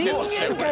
これ。